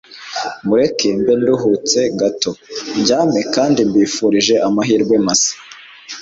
mureke mbe nduhutseho gato ndyame kandi mbifurije amahirwe masa